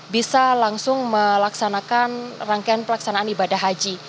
bisa langsung melaksanakan rangkaian pelaksanaan ibadah haji